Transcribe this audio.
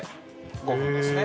５分ですね。